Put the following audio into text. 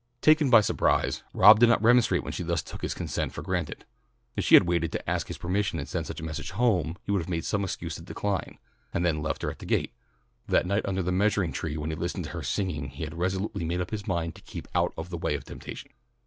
Taken by surprise, Rob did not remonstrate when she thus took his consent for granted. If she had waited to ask his permission to send such a message home he would have made some excuse to decline, and then left her at the gate. That night under the measuring tree when he listened to her singing he had resolutely made up his mind to keep out of the way of temptation.